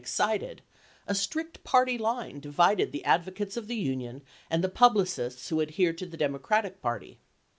excited, a strict party line divided the advocates of the Union and the publicists who adhered to the Democratic party.